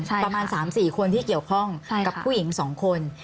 ประมาณ๓๔คนที่เกี่ยวข้องกับผู้หญิง๒คน